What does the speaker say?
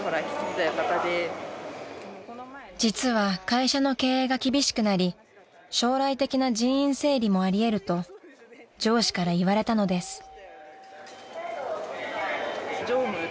［実は会社の経営が厳しくなり将来的な人員整理もあり得ると上司から言われたのです］